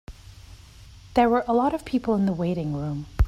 There were a lot of people in the waiting room.